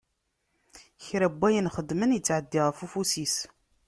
Kra n wayen xeddmen, ittɛeddi ɣef ufus-is.